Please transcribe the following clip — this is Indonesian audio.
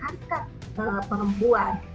karena itu bukan kesalahan perempuan